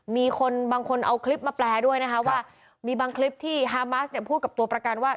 มีคนบางคนเอาคลิปมาแปลด้วยนะคะว่ามีบางคลิปที่ฮามาสเนี่ยพูดกับตัวประกันว่า